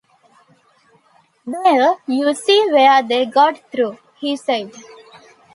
“There, you see where they got through,” he said.